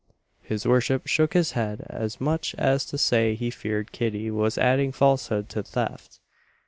His worship shook his head, as much as to say he feared Kitty was adding falsehood to theft.